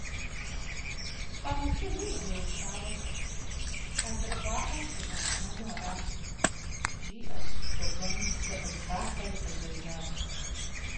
«Къэмыушыжу жей щауэ щыӀэ? Хьэндыркъуакъуэм сигъэшынэну аращ», - жиӀэщ, гуэгуэным псы къригъахъуэри къежьэжащ.